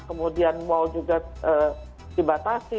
kemudian mau juga dibatasi